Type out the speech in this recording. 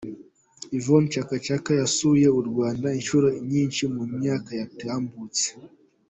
Yvonne Chaka Chaka yasuye u Rwanda inshuro nyinshi mu myaka yatambutse.